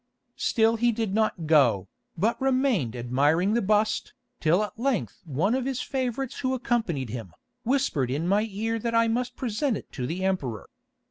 "Still he did not go, but remained admiring the bust, till at length one of his favourites who accompanied him, whispered in my ear that I must present it to the Emperor.